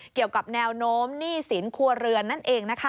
เกี่ยวกับแนวโน้มหนี้สินครัวเรือนนั่นเองนะคะ